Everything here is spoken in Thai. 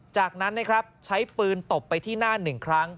จากนั้นนะครับใช้ปืนตบไปที่หน้า๑ครั้ง